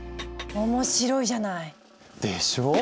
面白いじゃない。でしょう？